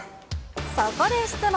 そこで質問。